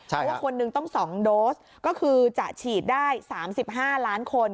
เพราะว่าคนหนึ่งต้อง๒โดสก็คือจะฉีดได้๓๕ล้านคน